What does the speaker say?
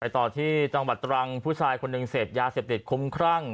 ต่อที่จังหวัดตรังผู้ชายคนหนึ่งเสพยาเสพติดคุ้มครั่ง